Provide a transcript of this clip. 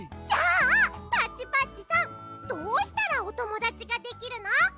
じゃあタッチパッチさんどうしたらおともだちができるの？